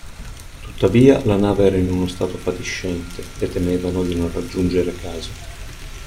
Tuttavia, la nave era in uno stato fatiscente, e temevano di non raggiungere casa.